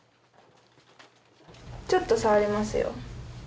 ちょっと触りますよ。